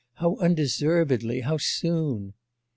how undeservedly! how soon!